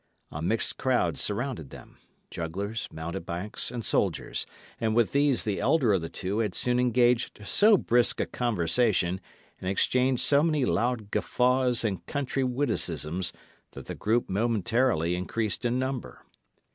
A mixed crowd surrounded them jugglers, mountebanks, and soldiers; and with these the elder of the two had soon engaged so brisk a conversation, and exchanged so many loud guffaws and country witticisms, that the group momentarily increased in number.